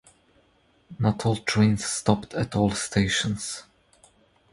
Not all trains stopped at all stations.